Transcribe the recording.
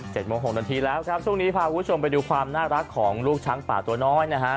โมงหกนาทีแล้วครับช่วงนี้พาคุณผู้ชมไปดูความน่ารักของลูกช้างป่าตัวน้อยนะฮะ